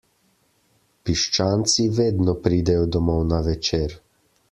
Piščanci vedno pridejo domov na večer.